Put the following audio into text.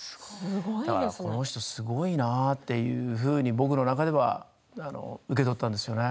この人すごいなっていうふうに僕の中では受け取ったんですよね。